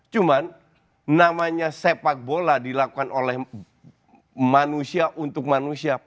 cuman namanya sepak bola dilakukan oleh manusia untuk manusia